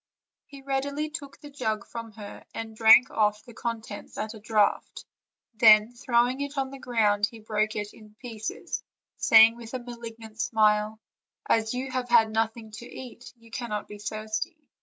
He readily took the jug from her, and drank off the contents at a draught; then, throwing it on the ground, he broke it in pieces, saying with a malignant smile: "As you have had nothing to eat, you cannot be thirsty."